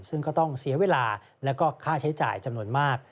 ซึ่งก็ต้องเสียเวลาแล้วก็ค่าใช้จ่ายจำนวนมาก